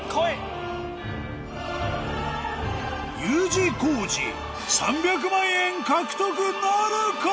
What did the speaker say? Ｕ字工事３００万円獲得なるか？